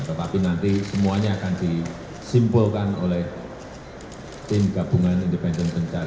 tetapi nanti semuanya akan disimpulkan oleh tim gabungan independen pencarian